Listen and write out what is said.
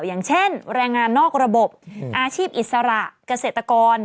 อย่างเช่นแรงงานนอกระบบอาชีพอิสระเกษตรกร